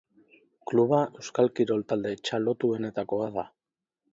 Kluba euskal kirol talde txalotuenetakoa da.